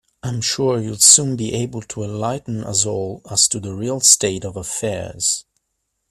I'm sure you'll soon be able to enlighten us all as to the real state of affairs.